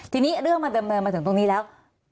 ทีนี้เรื่องมาถึงตรงนี้แล้ว